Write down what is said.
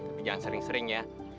tapi jangan sering sering ya